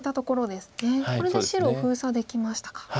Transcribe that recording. これで白封鎖できましたか。